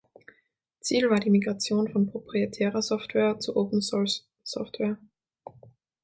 Ziel war die Migration von Proprietärer Software zu Open-Source-Software.